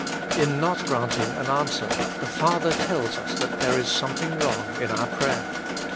In not granting an answer, the Father tells us that there is something wrong in our prayer.